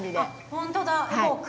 本当だ。